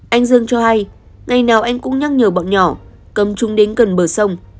anh dương cho hay ngày nào anh cũng nhắc nhở bọn nhỏ cầm chung đến gần bờ sông